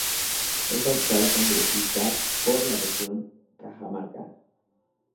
Es actual congresista por la Región Cajamarca.